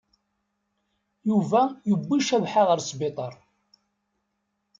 Yuba yewwi Cabḥa ɣer sbiṭaṛ.